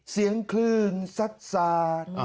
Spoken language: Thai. เสียงคลื่นซัด